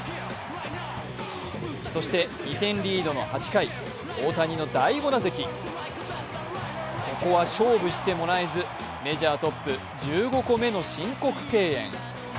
そして２点リードの８回大谷の第５打席、ここは勝負してもらえず、メジャートップ１５個目の申告敬遠。